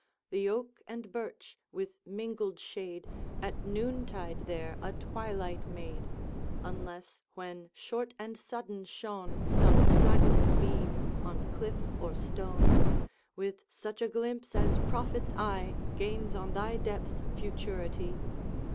The oak and birch with mingled shade At noontide there a twilight made, Unless when short and sudden shone Some straggling beam on cliff or stone, With such a glimpse as prophet's eye Gains on thy depth, Futurity.